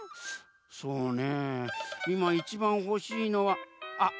そうねいまいちばんほしいのはあっ